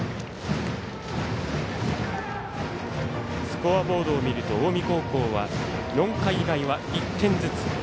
スコアボードを見ると近江高校は４回以外は１点ずつ。